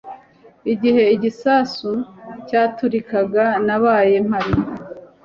Igihe igisasu cyaturikaga nabaye mpari